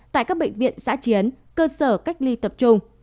tại các bệnh viện giã chiến cơ sở cách ly tập trung